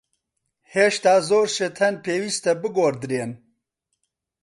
هێشتا زۆر شت هەن پێویستە بگۆڕدرێن.